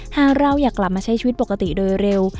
หากเราอยากกลับมาใช้ชีวิตปกติโดยเร็ว